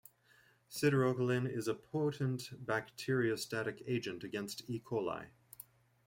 Siderocalin is a potent bacteriostatic agent against "E. coli".